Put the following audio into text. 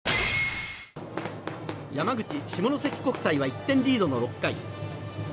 山口・下関国際は１点リードの６回。